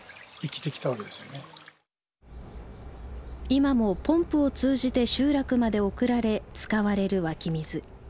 今もポンプを通じて集落まで送られ使われる湧き水。